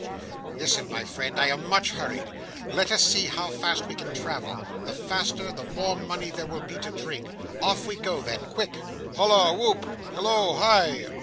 "Listen, my friend. I am much hurried. Let us see how fast we can travel! The faster, the more money there will be to drink. Off we go then! Quick!" "Halloa! whoop! Halloa! Hi!"